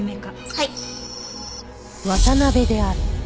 はい。